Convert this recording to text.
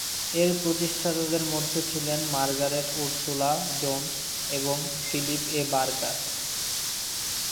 এর প্রতিষ্ঠাতাদের মধ্যে ছিলেন মার্গারেট উরসুলা জোন্স এবং ফিলিপ এ. বার্কার।